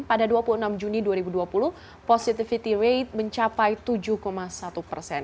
pada dua puluh enam juni dua ribu dua puluh positivity rate mencapai tujuh satu persen